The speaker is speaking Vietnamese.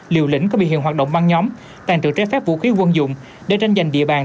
liều lĩnh có biểu hiện hoạt động băng nhóm tàn trữ trái phép vũ khí quân dụng để tranh giành địa bàn